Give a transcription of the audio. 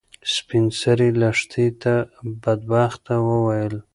سپین سرې لښتې ته بدبخته وویل.